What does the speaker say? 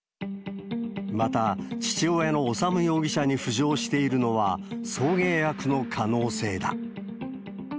また、父親の修容疑者に浮上しているのは、送迎役の可能性だ。